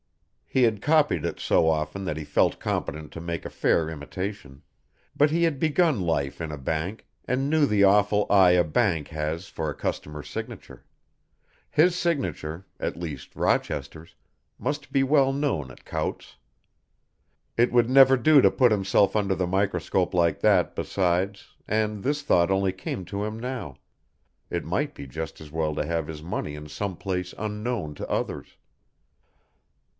He had copied it so often that he felt competent to make a fair imitation, but he had begun life in a bank and he knew the awful eye a bank has for a customer's signature. His signature at least Rochester's must be well known at Coutts'. It would never do to put himself under the microscope like that, besides, and this thought only came to him now, it might be just as well to have his money in some place unknown to others.